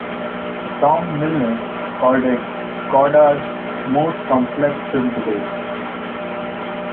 Tom Milne called it Godard's "most complex film to date.